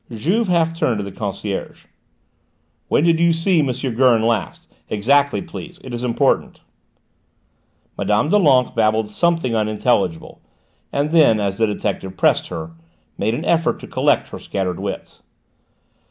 Juve half turned to the concierge. "When did you see M. Gurn last? Exactly, please: it is important." Mme. Doulenques babbled something unintelligible and then, as the detective pressed her, made an effort to collect her scattered wits.